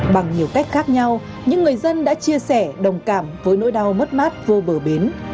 bằng nhiều cách khác nhau những người dân đã chia sẻ đồng cảm với nỗi đau mất mát vô bờ bến